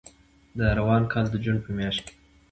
د روان کال د جون په میاشت کې